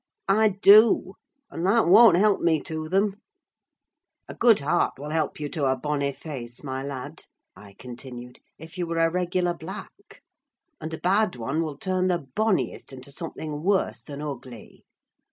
"I do—and that won't help me to them." "A good heart will help you to a bonny face, my lad," I continued, "if you were a regular black; and a bad one will turn the bonniest into something worse than ugly.